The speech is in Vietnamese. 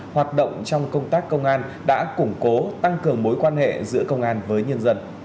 hoạt động trong công tác công an đã củng cố tăng cường mối quan hệ giữa công an với nhân dân